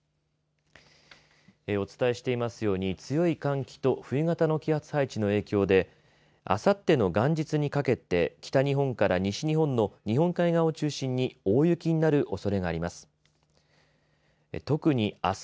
お伝えしていますように強い寒気と冬型の気圧配置の影響であさっての元日にかけて北日本から西日本の日本海側を中心に大雪になるおそれがあります。